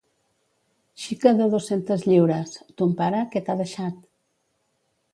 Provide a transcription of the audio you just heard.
Xica de dos-centes lliures: ton pare, què t’ha deixat?